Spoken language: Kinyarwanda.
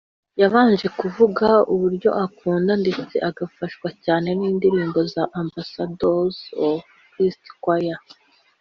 yabanje kuvuga uburyo akunda ndetse agafashwa cyane n’indirimbo za Ambassadors of Christ choir